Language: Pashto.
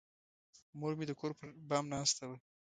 مور مې د کور پر بام ناسته وه.